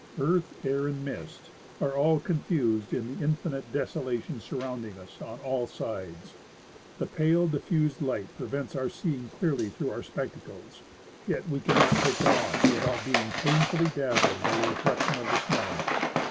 Earth, air, and mist are all confused in the infinite desolation surrounding us on all sides. The pale, diffused light prevents our seeing clearly through our spectacles, yet we cannot take them off without being painfully dazzled by the reflection of the snow.